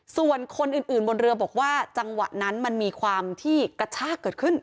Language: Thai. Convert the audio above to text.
ส่วนคนอื่นบนเรือบอกว่าจังหวะนั้นมันมีความที่กระชากเกิดขึ้น